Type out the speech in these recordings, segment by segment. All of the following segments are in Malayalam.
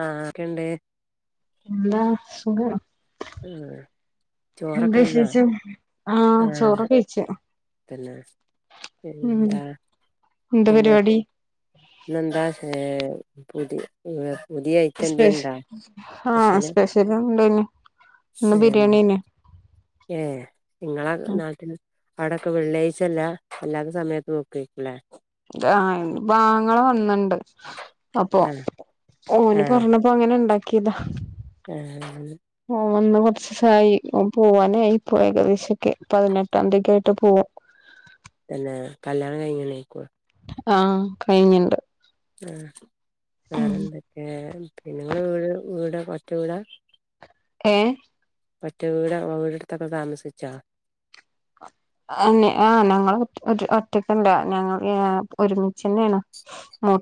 ആഹ് ഒക്കെണ്ട് എന്താ സുഖാണോ ആ എന്താ ചോറൊക്കെ ന്നാ വിശേഷം ആഹ് ചോറ് കഴിച്ച് പിന്ന പിന്നെന്ത എന്താ പിന്നെ പരിപാടി ന്നന്താ സെ പുതി [unintelligible] സ്പെഷ എന്തേണ്ടാ ആഹ് സ്പെഷ്യല് സ്പെഷ്യല ഉണ്ടിനി ഇന്ന് ബിരിയാണീന്നെ ഏ നിങ്ങളെ നാളത്തിന് അവിടൊക്കെ വെള്ളിയാഴ്ല്ല അല്ലാത്ത സമയത്ത് നോക്കക്കുല്ലേ ആഹ് ബാങ്ങള വന്നണ്ട് അപ്പൊ ആഹ് ഓന് ആഹ് പറഞ്ഞപ്പ അങ്ങനെ ഉണ്ടാക്കിതാ ആഹ് ഒന്ന് കുറച്ചായി ഓൻ പോവാനായി ഇപ്പോ ഏകദേശൊക്കെ പതിനെട്ടാം തീയക്കായിട്ട് പോകും പിന്നെ കല്യാണം കഴിഞ്ഞ് നിക്കുവ ആഹാ കഴിഞ്ഞിണ്ട് ആ വേറെന്തൊക്കെ പിന്നെങ്ങ വീട് വീട ഒറ്റവീട ഏ മറ്റേ വീട് വീടെടുത്തൊക്കെ താമസിച്ചാ ആനെ ആ ഞങ്ങൾ ഒറ്റ് ഒറ്റ ഒറ്റക്കണ്ട ഞങ്ങൾയാ ഒരുമിച്ച്ന്നെെയാണ്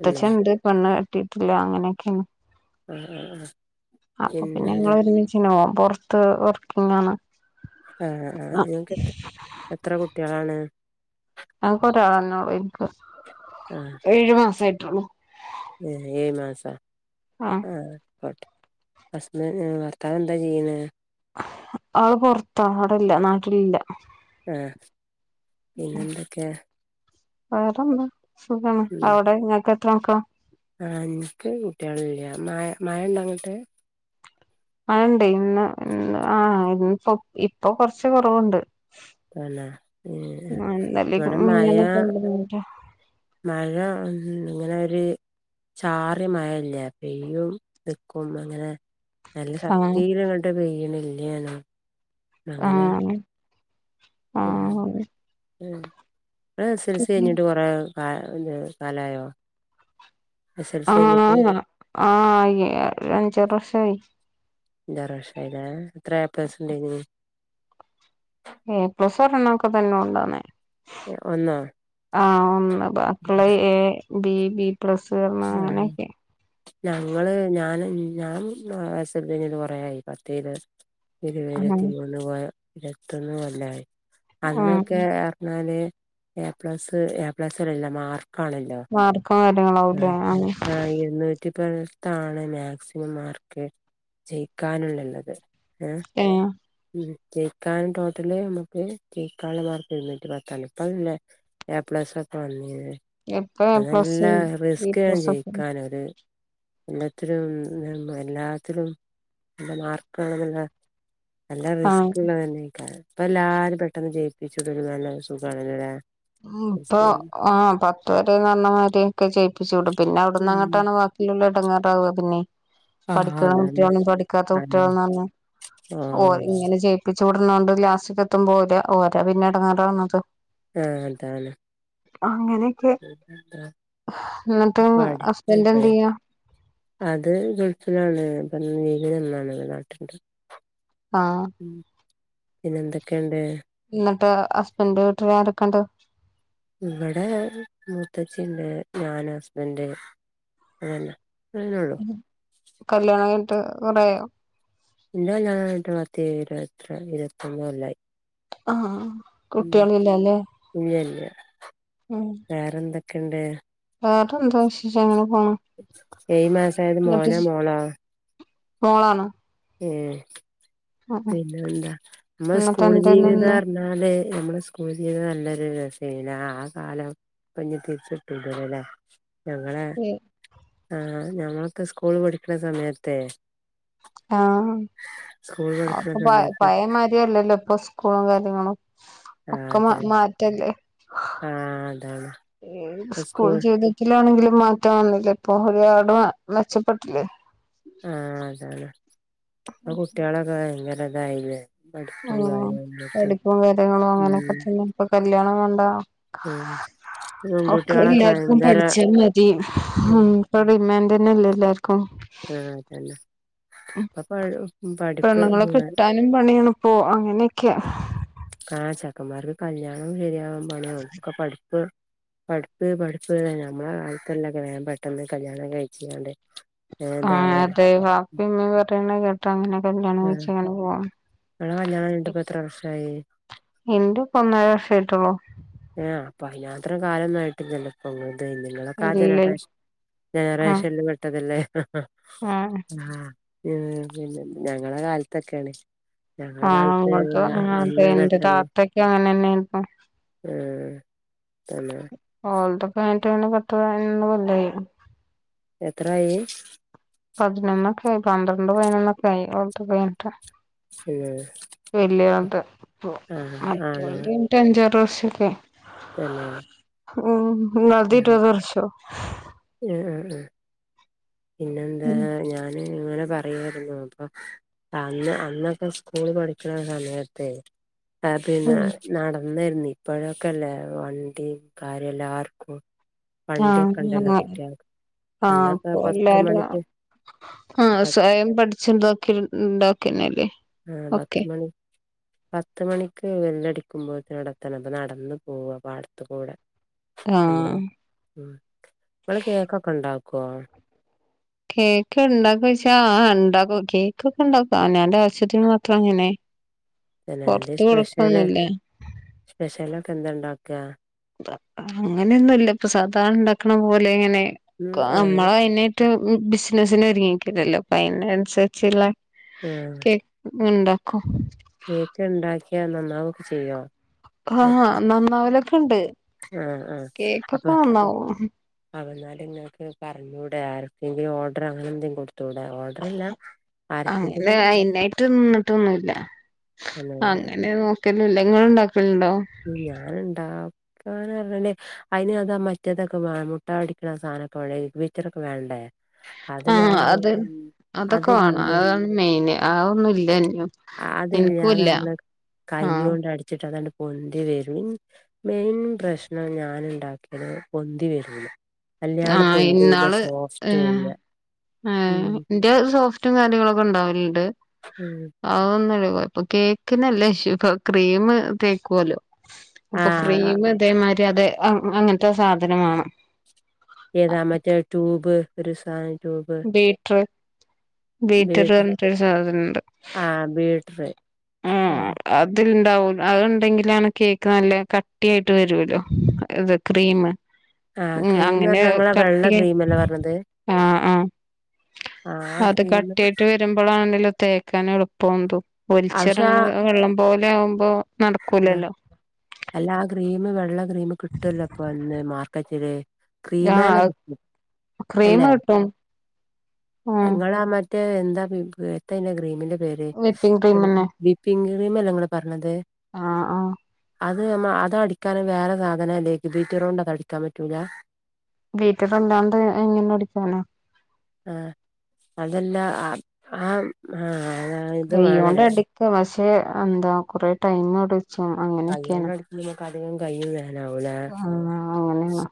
പിന്നെ പെണ്ണ് കട്ടിട്ടില്ല അങ്ങനെയൊക്കെയാണ് മ് മ് മ് ആപ്പൊ പിന്നെ ഞങ്ങള് ഒരുമിച്ചന്നൈ ഓൻ പുറത്ത് വർക്കിങ്ങാണ് ആ ആ നിങ്ങക്ക് എത്ര എത്ര കുട്ട്യളാണ് ആക ഒരാളെന്നെഒള്ളു ഇൻക് ഏഴ്മാസായിട്ടൊള്ളു ഏ ഏയ്മാസ ആഹ് ആ കൊ ഹസ്ബന് ഭർത്താവ് എന്താചെയ്യുന്നെ ആള് പൊറത്ത ആടല്ല നാട്ടിലില്ല ഏ പിന്നെന്തെക്കെ വേറെന്താ സുഖാണ് അവിടെ ഇങ്ങക്ക് എത്ര മക്കള ആ ഇൻക്ക് കുട്ട്യാളില്ല മഴ മഴണ്ടങ്ങട്ട് ആണ്ട് ഇന്ന് ഇന്ന് ആ ഇപ്പൊ ഇപ്പൊ കൊറച്ച് കൊറവ്ണ്ട് തന്നെ ഏഹ് ആ ഇന്നെലിം ഇവിടെ മഴ മിഞ്ഞാന്നൊക്കെ നല്ല മഴന്നെ മഴ ഉം ഉം ഇങ്ങനെ ഒര് ചാറ്യമഴല്ലേ പെയ്യും നിക്കും അങ്ങനെ നല്ല ആഹ് ശക്തീലങ്ങട്ട് പെയ്യ്‌ണ് ഇല്ലേനും ന്ന അങ്ങനെ ആഹ് [unintelligible] ആഹ് ഇങ്ങള് എസെൽസി പിന്നെ അയ്ഞ്ഞിട്ട് കൊറേ ആയോ കാ ഇഞ്ഞെ കാലായോ എസ് എൽ ആ സി കഴിഞ്ഞിട്ട് ആ ആ ആയി ഒരു അഞ്ചാറ് വർഷായി അഞ്ചാറുവർഷയിലെ എത്ര എ പ്ലസ് ഇണ്ടെയിനി ഏ പ്ലസോരെണ്ണം ഒക്കെ തന്നെ ഉണ്ടാന്നേ ഒന്നോ ആ ഒന്ന് ബാക്കിളള എ ബി ബി പ്ലസ് വർന്നാ ആഹ് അങ്ങനെക്കെ ഞാന് എസൽസി കൊറേയായി പത്ത് ഇരു ഇരുപത് ഇരതിമൂന്ന് കൊ ഇരത്തൊന്ന് കൊല്ലായി ആഹ് അന്നൊക്കെർഞ്ഞാല് എ പ്ലസ് എ പ്ലസ്ല്ല്ലല്ലോ മാർ മാർക്കും കാര്യങ്ങളാവും ലേ ആ ഇപ്പോൾത്താണ് മാക്സിമം മാർക്ക് ജയിക്കാന്ല്ലള്ളത് ഏ ഏഹ് മ് ജയിക്കാൻ ടോട്ടല് നമുക്ക് ജയിക്കാള്ള മാർക്ക് ഇരുന്നൂറ്റിപത്താണ് ഇപ്പല്ലെ എ പ്ലസ് ഒക്കെ വന്നീ ഇപ്പൊ എ പ്ലസ് അതെല്ലാ ബി റിസ്ക്കേന് പ്ലസ് ഒക്കെ ജയിക്കാനൊര് എല്ലത്തിലും എല്ലാത്തിലും നല്ല മാർക്കാണെന്ന്ല്ല നല്ല ആഹ് റിസ്ക്ള്ളത് തന്നേയ്ക്കാരം ഇപ്പൊ എല്ലാരിം പെട്ടെന്ന് ജയിപ്പിച്ചിടണത് നല്ല ഒരു സുഖാണല്ലലേ ഇപ്പൊ ആ പത്ത് പ്പം ന്നർഞ്ഞമാരി ക്കെ ജയിപ്പിച്ച്ടും പിന്നെ ഉം അവ്ട്ന്നഅങ്ങട്ടാണ് വാക്കിള്ളോര് എടങ്ങറാവ പിന്നിം ആഹ് പഠിക്ക്ണ അതന്നെ കുട്ട്യാളും പഠിക്കാത്ത ആഹ് കുട്ട്യാളും ന്നറിഞ് ഓല് ആഹ് ഇങ്ങനെ ജയിപ്പി ച്ച്ടുന്നോണ്ട് ലാസ്റ്റക്കത്തുമ്പ ഓരാ ഓരാ പിന്നെ എടങ്ങേറാവുന്നത് ആ അതാണ് അങ്ങനെക്കെ ന്നിട്ട് പാട് ഹസ്ബന്റ് ഇതെ എന്ത്യ്യാ അത് ഗൾഫിലാണ് പ്പ ലീവിന് വന്നാണ് നാട്ടിണ്ട് ആ ഉം പിന്നെ എന്തെക്കെണ്ട് ന്നിട്ട് ഹസ്ബൻന്റെ വീട്ടില് ആരെക്കെണ്ട് ഇവിടെ മൂത്തച്ചിണ്ട് ഞാനും ഹസ്ബന്റ് അതെന്നെ കല്യാണം കഴഞ്ഞിട്ട് കൊറേ ആയോ ഇന്റെ കല്യാണം കഴിഞ്ഞിട്ട് പത്ത് ഇരുപത്ര ഇരുപതൊന്ന്‌ കൊല്ലായി ആ ഉം കുട്ട്യാള്ല്ലലെ ഇല്ലല്ല വേറെന്തൊക്കെണ്ട് വേറെന്താ വിശേഷം അങ്ങനെ പോ ഏഴ് മാസായത് മോനാമോളാ മോളാണ് ഉം പിന്നെ എന്താ നമ്മള എന്നിട്ട് സ്കൂൾ എന്തായിരുന്നു ഇന്ന് ജീവിതാർഞ്ഞാല് നമ്മളെ സ്കൂൾ ജീവിതം നല്ലൊരു രസ ആ കാലം ഇപ്പ ഇഞ്ഞി തിരിച്ച കിട്ടൂല്ലല്ലൊ ലേ ഞങ്ങളെ ആ ഞമ്മളക്കെ സ്കൂൾ പഠിക്കണ സമയത്തേ ആ പഠിക്ക്ണ അക്കൊപ്പം സമയത്ത് പയേമാരില്ലല്ലോ ഇപ്പൊ സ്കൂളും കാര്യങ്ങളും ആ ഒക്കെ മാ അതെ -മാറ്റല്ലേ ആ അതാണ് സ്കൂൾ ജീവിതത്തിലാണെങ്കിലും മാറ്റം വന്നില്ല ഇപ്പൊ ഒരുപാടെ മെച്ചപ്പെട്ടില്ലേ ആ അതാണ് ആ കുട്ടികളൊക്കെ ഭയങ്കര ഇതായില്ലേ ഉ പഠിപ്പും കാര്യായിട്ട് പഠിപ്പും കാര്യങ്ങളും അങ്ങനെൊക്കെ ഉം തന്നെ ഇപ്പ കല്യാണം വേണ്ട ഉം ഒക്കെ പെൺകുട്ട്യാളൊക്കെ എല്ലാർക്കും ഭയങ്കര പഠിച്ചാ മതി ഉം ഇപ്പ ഡിമാൻഡ് തന്നല്ലെ എല്ലാർക്കും ആ അതല്ലെ പെണ്ണുങ്ങളെ കിട്ടാനും പണിയാണിപ്പോ അങ്ങനൊക്കെയാ ആ ചെക്കന്മാർക്ക് കല്യാണം ശെരിയാവാൻ പണിയ ഒക്കെ പഠിപ്പ് പഠിപ്പ് പഠിപ് നമ്മളെ കാലത്തല്ല വേ പെട്ടെന്ന് കല്യാണം കഴിച്ക്കാണ്ട് ആ അതെ ബാപ്പേം ഉമ്മേം പറയണ കേട്ടങ്ങനെ കല്ലിയാണം ആഹ് കായിച്ചങ്ങനെ പോവാ ഇങ്ങളെ കല്യാണം കഴിഞ്ഞിട്ട് ഇപ്പൊ എത്ര വർഷായി എന്റുപ്പ ഒന്നര വർഷ ആട്ടുള്ളൂ ആ അപ്പൊ അതിനത്ര കാലൊന്നുമായിട്ടില്ലല്ലോ ഇപ്പ ങൾ അത നിങ്ങളൊക്കെ ആ ഇല്ലേ ജനറേഷൻ ആ ജനറേഷനിപ്പെട്ടതല്ലേ ഹ ആ ഹ ആ പിന്നെ ഞങ്ങളെ കാലത്തൊക്കെയാണ് ഞങ്ങളെ ആ കാലത്ത് അങ്ങോട്ട്‌ വന്ന്ങ്ങാണ്ട് അന്ന് എന്റെ താത്തയ്ക്ക് കാണനേ ഇപ്പൊ ആ എന്ന ളെ പത്തെ പതിനൊന്നു കൊല്ലായി എത്രായി പതിനൊന്നൊക്കെ ആയി പന്ത്രണ്ട് പതിനൊന്നൊക്കെ ആയി ഒള്ത കഴിഞ്ഞിട്ട് ഏഹ് വല്യോൾത് ആഹ് ആണോ മാറ്റയോത്ത് കയിഞ്ഞിട്ട് അഞ്ച വർ തുറസക്ക് തന്നെ ഉം ഞാൻ നദിട്ട് തർശ്ശോ ആഹ് ആഹ് ആഹ് പിന്നെന്താ ഞൻ ഇങ്ങനെ പറയു മാരുന്നു അപ്പൊ അന്ന് അന്നൊക്കെ സ്കൂള് പഠിക്കണ സമയത്തെ അ പിന്നെ ഉം നടന്നാരുന്നു ഇപ്പോഴൊക്കെല്ലേ വണ്ടിയും കാര്യല്ലാർക്കും ആ ആ ആ അന്നൊക്കെ പോയി പത്ത് മണിക്ക് ആ സ്വയം പഠിച്ചിതാക്കി ഇണ്ടാക്കന്നല്ലേ ആ ഒക്കെ പത്ത് മണി പത്തു മണിക്ക് വെല്ലടിക്കുമ്പോഴത്തഅടത്തണം നടന്നു പോവ പാടത്തു കൂടെ അല്ല ആഹ് ഉം അമ്മളെ കേക്കൊക്കെ ഉണ്ടാക്കുവോ കേക്ക് ഇണ്ടാക്കച്ചാ ആ ഉണ്ടാക്കും കേക്കൊക്കെ ഇണ്ടാക്കും അവനോന്റെ ആവശ്യത്തിന് മാത്രം അങ്ങനെ തെന്നെ ന്ത് പൊറത്ത് സ്പെഷ്യല് കൊടുക്കൊന്നുല്ല സ്പെഷ്യലൊ ക്കെ എന്താ ണ്ടാക്കാ അങ്ങനെയൊന്നുഇല്ല ഇപ്പൊ സാധാരണ ഉണ്ടാക്കണ പോലെ ഇങ്ങനെ ഉം ആഹ് നമ്മളയിനെ റ്റ് ബിസിനസിന ഒരുങ്ങിക്കില്ലല്ലോ അപ്പ അയിനനുസരിച്ചുള്ള ആ ഉണ്ടാക്കും കേക്ക് ഉണ്ടാക്കിയാ നന്നാവൊക്കെ ചെയ്യോ ആ നന്നാവലൊക് ആ ആ അപ്പൊ നന്നാവും അവന്നാല ങ്ങക്ക് പറഞ്ഞുടെ ഇനി ഓഡർ അങ്ങനെന്തങ്കി കൊട് അങ്ങനെ അയ്നായ്റ്റും നിന്ന്ട്ടൊന്നുല്ല അങ്ങനെ ന്നൊക്കൊന്നില്ല ഇങ്ങള്ണ്ടാക്കലുണ്ടോ ഞാനും അങ്ങനെ അയ്നതാ മറ്റേതൊക്കെേ വേണം മുട്ടാഅടിക്കണ സാനൊക്കെ വേണം എഗ്ഗ് ബീറ്ററൊക്കെ വേണ്ടേ [unintelligible] ആ അത് അതൊക്കെ അതില്ല വേണം അതാണ് മെയ്ന് അതൊന്നുല്ലഗ്ഗ്ലും ഞാ നമ്മ്ളക് കയ്യോണ്ടടിച്ചിട്ടതണ്ട് - പൊന്തി വെരും മെയിൻ പ്രശ്നം ഞാന്ണ്ടാക്ക്‌യാല് പൊന്തി വെരൂല്ല വെല്ല്യാണ്ട് ആഹ് പൊന്തൂല്ല സോഫ്റ്റൂല്ല ആഹ് ന്റെ സോഫ്റ്റും കാര്യങ്ങളൊക്കെ ഇണ്ടാവല്ണ്ട്. ഉം അതൊന്നൊല്ല കൊയ് അപ്പ കേക്കിനല്ല ഷ്യു പ്പ ക്രീമ് തേക്കോലോ അപ്പ ആഹ് ക്രീമ് തേമാരി അതെ അങ്ങൻത്തെ സാധനം വാണം ഏതാ മറ്റേ ട്യൂബ് ഒര് സാൻ - ബീറ്റ്റ് ബീറ്ററ് ബീട്ര് പർഞ്ഞ്ട്ടൊരു സാധനണ്ട് ആഹ് ബീട്ര് ആഹ് അതിൽ ണ്ടാവും അത്ണ്ടെങ്കിലാണ് കേക്ക് നല്ല കട്ടിയായ്ട്ട് വരോലോ മറ്റേ ഇത് ക്രീമ് ആഹ് ക്രീമ് പറഞ്ഞങ്ങളെ വെള്ള ക്രീമല്ലേ പറഞ്ഞത് ആഹ് ആഹ് ആഹ് ആ അത് ക്രീമ് കട്ടിയായിട്ട് വര്മ്പളാണല്ലോ തേക്കാൻ എള്പ്പം തും പക്ഷെ ഒലിചെറങ്ങണ വെള്ളം പോലെ പോലെ ആവുമ്പോ ആഹ് നടക്കൂലല്ലോ അല്ലാ ആ ക്രീമ് വെള്ള ക്രീമ് കിട്ടൊല്ലോ പ്പ ഇന്ന് മാർക്കറ്റില് ക്രീമെന്നെ ആഹ് കിട്ടും ക്രീം അല്ലേ കിട്ടും ആഹ് ഇങ്ങളാ മറ്റ് മറ്റേ എന്താ പിപ് എത്തയ്ന്റെ ക്രീമിന്റെ പേര് വിപ്പിംഗ് ക്രീം തന്നെ വിപ്പിംഗ് ക്രീമല്ലേ ഇങ്ങള് പറഞ്ഞത് ആഹ് ആഹ് അത് നമ്മ അത് അടിക്കാനും വേറെ സാധന എല്ലേക്ക് ബീറ്ററോണ്ട് അത് അടിക്കാൻ പറ്റൂല ബീറ്ററല്ലാണ്ട് എങ്ങനടിക്കാന ആഹ് അതല്ല ആത് ആം ആഹ് കയ്യോണ്ട് അടിക്കാ പഷേ എന്താ കൊറേ ടൈമ് അടിച്ചും അങ്ങനെക്കേണ്. കടയും കയ്യും വേ ആഹ് അങ്ങനേണ്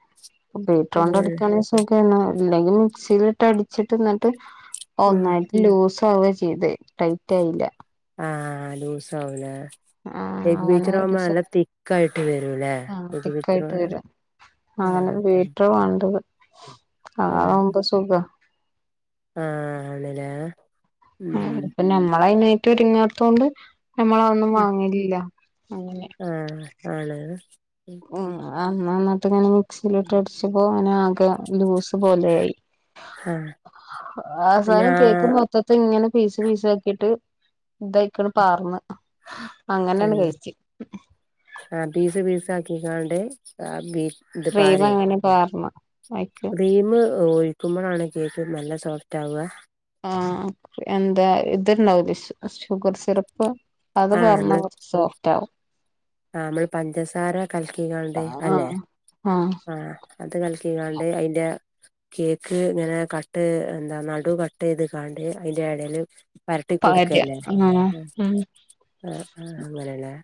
ബീട്രോണ്ടടിക്കാണെ സുഖാ ക്കേണ് ഇല്ലെങ്കി മിക്സീലിട്ട് അടിച്ച്ട്ട് ന്ന്ട്ട് ഉം ഒന്നായ്റ്റ് ലൂസ് റ്റാവെ ചെയ്തേ ട്ടയ്റ്റായില്ല. ആഹ് ലൂസാവുലേ ആഹ് എഗ് അങ്ങനെ ഒരു ബീറ്ററാവുമ്പോ സ ന്നല്ല തിക്കായ്റ്റ് വെരൂലെ ആഹ് എഗ് ബീറ്ററ് ആഹ് ബീറ്റ്റാ വാണ്ടത് അതാവുമ്പ സുഖാ ആഹ് ആണ്ലേ ആഹ് ഉം ഇപ്പ നമ്മളൈനൈറ്റോര് ങ്ങാത്തോണ്ട് നമ്മളതൊന്നും വാങ്ങലില്ല. ആഹ് ആണ് മ് അന്നന്ന്ട്ട് ഇങ്ങനെ മിക്സീലി ട്ടടിച്ചപ്പോ അങ്ങനെ ആകെ ലൂസ് പോലെയായി ആ ഞാ അവസാനം കേക്ക്‌ മൊത്തത്ത്ങ്ങനെ പീസ് പീസാക്കീട്ട് ഇദൈക്കണ് പാർന്ന് അങ്ങനണ് തന്നെ കയ്ച്ച് ക്കീക്കാണ്ടെ ആഹ് ബീ ക്രീമങ്ങനെ പാർന്ന് അയിക്ക് ക്രീമ് ഒഴിക്കുമ്പളാണ് കേക്ക് ന്നല്ല സോഫ്റ്റാവ ആഹ് എന്താ ത്ണ്ടാവൂലെ ഷ് ഷുഗർ സിറപ്പ് അത് പാർന്ന കൊർച്ച് സോഫ്റ്റാവും ആഹ് നമ്മള് പഞ്ചസാര കൽക്കിങ്കാണ്ട് അല്ലെ ആഹ് ആഹ് അത് കൽക്കിങ്കാണ്ട് ഐന്റെ കേക്ക് ഇങ്ങനെ കട്ട് എന്താ നടു കട്ടെയ്ത് കാണ്ട് ഐന്റെ എടേല് പര്ട്ടി കൊട്ക്കല്ലേ ആഹ് ആഹ് അങ്ങനെലെ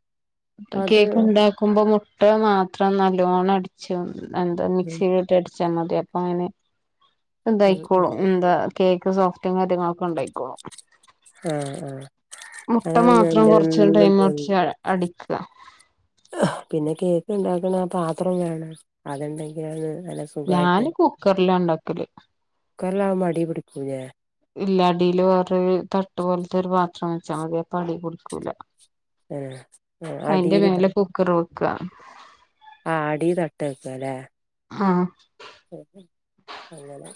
കേക്കുണ്ടാക്കുമ്പോ മുട്ട മാത്രം നല്ലോണം അടിച്ചാ എന്താ ഉം മിക്സീല്ട്ട് അടിച്ചാമതി അപ്പ ഉം ഉം അങ്ങനെതായ്ക്കോളും എന്താ കേക്ക് സോഫ്റ്റും കാര്യങ്ങളൊക്കെണ്ടയ്ക്കോളും ആ ആ മുട്ട അതാണ് മാത്രം കുറച്ച് ഞാന്റെന്നും ടൈം പിടിച്ച് പൊന്തും അടിക്കുക പിന്നെ കേക്ക് ണ്ടാക്ക്‌ണ ആ പാത്രം വേണം അത്ണ്ടെങ്കിലാണ് നല്ല സുഖായിട്ട് ഞാന് കുക്കറിലാണ്ടാക്കല് കുക്കറിലാവുമ്പോ അടീപിടിക്കൂ ലെ ഇല്ല. അടീല് വേറോര് തട്ട്പോൽത്തൊര് പാത്രം വെച്ചാമതി. അപ്പടീപുടിക്കൂല. ആ ആ അയിന്റെ അടീല് മേലെ കുക്കറ് വെക്ക ആ അടീ തട്ട് വക്കുല്ലേ ആ [unintelligible] അങ്ങനെ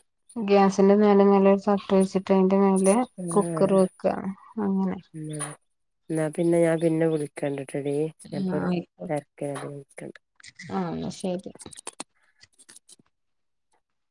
അതിന്റെ മേലെ മേലെ ഒരു ഷർട്ട്‌ വച്ചിട്ട് അയിന്റെ മേലെ കുക്കറ് വെക്ക അങ്ങനെ ന്നാ പിന്നെ ഞാൻ പിന്നെ വിളിക്കണ്ട് ട്ടോടി ഞാൻ ആഹ് ഇപ്പോ വരാം ആയിക്കോട്ടെ തിരക്കിലാണ് വിളിക്കണ്ട് ആഹ് എന്നാ ശരി